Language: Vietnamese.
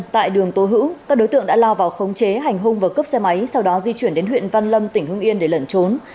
tại đường tố hữu các đối tượng đã lao vào khống chế hành hung và cướp xe máy sau đó di chuyển đến huyện văn lâm tỉnh hưng yên để lẩn trốn